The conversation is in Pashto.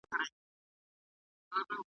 زه به سبا د کتابتون د کار مرسته وکړم؟!